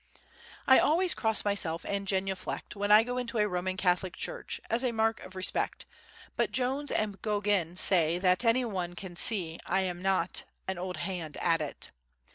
I always cross myself and genuflect when I go into a Roman Catholic church, as a mark of respect, but Jones and Gogin say that any one can see I am not an old hand at it.